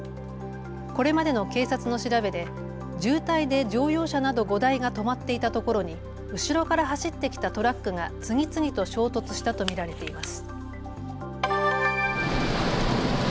これまでの警察の調べで渋滞で乗用車など５台が止まっていたところに後ろから走ってきたトラックが次々と衝突したと見られています。